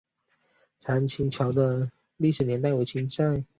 长庆桥的历史年代为清代。